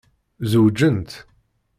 Zewǧent.